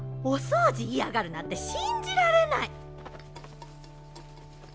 お掃除嫌がるなんて信じられない！